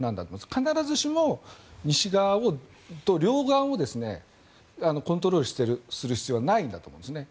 必ずしも西側両岸をコントロールする必要はないんだと思うんですね。